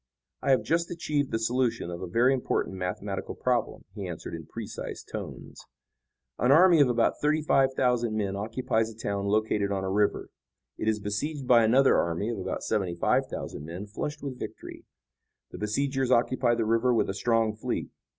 "I have just achieved the solution of a very important mathematical problem," he answered in precise tones. "An army of about thirty five thousand men occupies a town located on a river. It is besieged by another army of about seventy five thousand men flushed with victory. The besiegers occupy the river with a strong fleet.